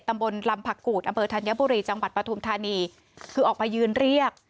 ตำบลลำผักกูดอำเภอธัญบุรีจังหวัดปฐุมธานีคือออกมายืนเรียก